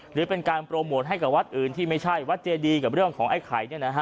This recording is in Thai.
หรือเป็นการโปรโมทให้กับวัดอื่นที่ไม่ใช่วัดเจดีกับเรื่องของไอ้ไข่